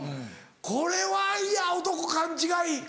これはいや男勘違い。